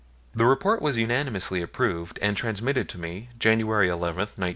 The report was unanimously approved, and transmitted to me, January 11, 1909.